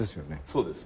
そうです。